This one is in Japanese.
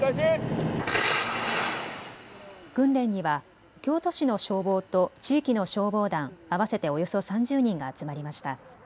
訓練には京都市の消防と地域の消防団、合わせておよそ３０人が集まりました。